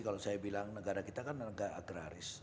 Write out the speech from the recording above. kalau saya bilang negara kita kan negara agraris